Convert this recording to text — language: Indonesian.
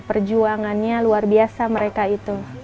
perjuangannya luar biasa mereka itu